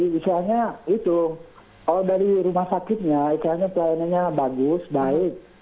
misalnya itu kalau dari rumah sakitnya istilahnya pelayanannya bagus baik